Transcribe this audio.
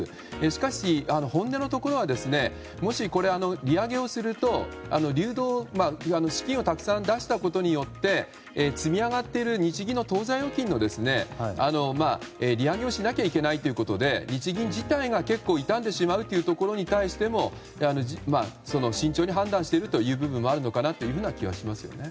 しかし、本音のところはもしこれ利上げをすると資金をたくさん出したことによって積み上がっている日銀の当座預金の利上げをしなきゃいけないということで日銀自体が結構痛んでしまうことに対しても慎重に判断している部分もある気はしますよね。